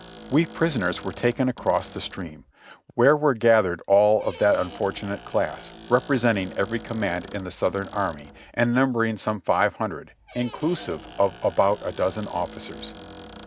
AVe prisoners were taken across the stream, where were gath ered all of that unfortunate class, representing every command in THE BATTLE OE SHARPSBURG 297 the Southern Army, and numbering some five hundred, inckisive of about a dozen officers.